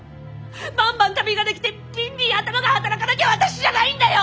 バンバン旅ができてビンビン頭が働かなきゃ私じゃないんだよ！